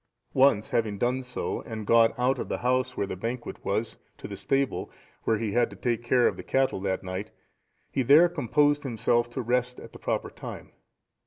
Once having done so and gone out of the house where the banquet was, to the stable, where he had to take care of the cattle that night, he there composed himself to rest at the proper time.